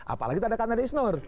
apalagi tanda tanda dari isnoor